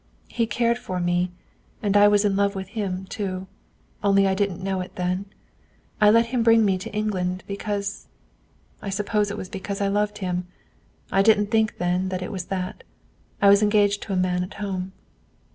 He cared for me; and I was in love with him too. Only I didn't know it then. I let him bring me to England, because I suppose it was because I loved him. I didn't think then that it was that. I was engaged to a man at home."